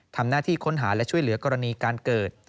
ทำหน้าที่ค้นหาและช่วยเหลือกรณีการเกิด